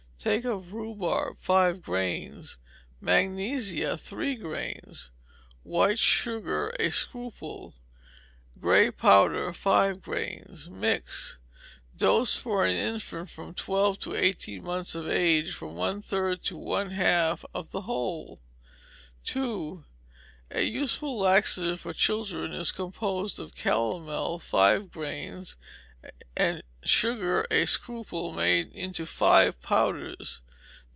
Take of rhubarb five grains, magnesia three grains, white sugar a scruple, grey powder five grains; mix. Dose, for an infant from twelve to eighteen months of age, from one third to one half of the whole. ii. A useful laxative for children is composed of calomel five grains, and sugar a scruple, made into five powders.